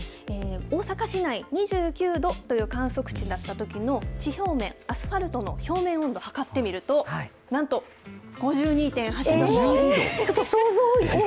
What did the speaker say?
大阪市内２９度という観測値だったときの地表面、アスファルトの表面温度測ってみると、ちょっと想像を。